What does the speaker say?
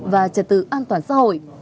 và trật tự an toàn xã hội